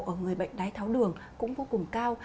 ở người bệnh đái tháo đường cũng vô cùng cao